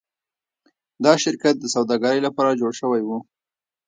دا شرکت د سوداګرۍ لپاره جوړ شوی و.